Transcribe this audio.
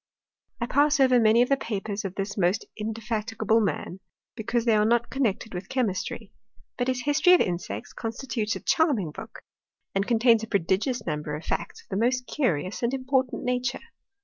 I pass over many of the papers of this most inde fatigable man, because they are not connected with chemistry; but his history of insects constitutes a charming book, and contains a prodigious number of facts of the most curious and important nature.